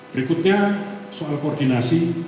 berikutnya soal koordinasi